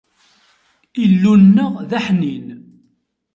Illu-nneɣ, d aḥnin.